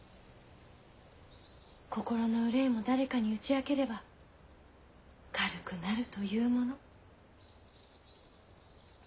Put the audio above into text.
心の憂いも誰かに打ち明ければ軽くなるというもの。